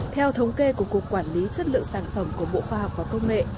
theo thống kê của cục quản lý chất lượng sản phẩm của bộ khoa học và công nghệ